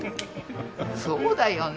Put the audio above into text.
そうだよね。